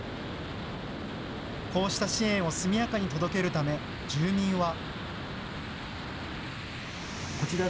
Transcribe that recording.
こうした支援を速やかに届けるため住民は。